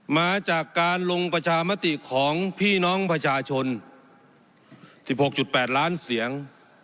มาจากการลงประชามติของพี่น้องประชาชน๑๖๘ล้านเสียง